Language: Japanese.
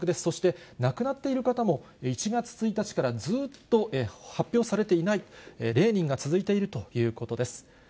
そして亡くなっている方も１月１日からずっと発表されていない、０人が続いているということです。